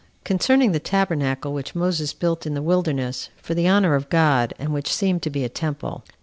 Concerning The Tabernacle Which Moses Built In The Wilderness For The Honor Of God And Which Seemed To Be A Temple.